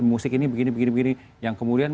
musik ini begini begini yang kemudian